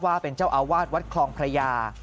ว่าเป็นเจ้าอาวาสวัดคลองพระยา